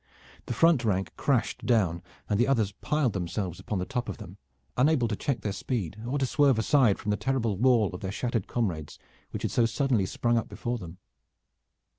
The front rank crashed down, and the others piled themselves upon the top of them, unable to check their speed, or to swerve aside from the terrible wall of their shattered comrades which had so suddenly sprung up before them.